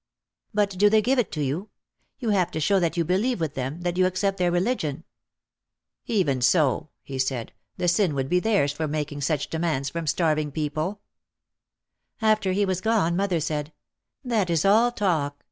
"But do they give it to you? You have to show that you believe with them, that you accept their religion." 162 OUT OF THE SHADOW "Even so," he said. "The sin would be theirs for mak ing such demands from starving people/' After he was gone mother said, "That is all talk.